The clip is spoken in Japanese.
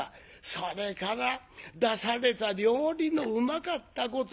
それから出された料理のうまかったこと。